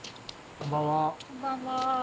こんばんは。